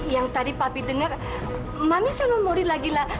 yang tadi papi dengar mami sama mori lagi latihan